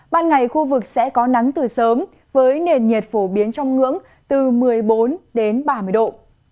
ban ngày khu vực sẽ có nắng từ sớm với nền nhiệt phổ biến trong ngưỡng từ một mươi bốn đến ba mươi độ